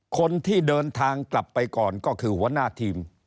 คนที่เดินทางกลับไปก่อนก็คือหัวหน้าทีม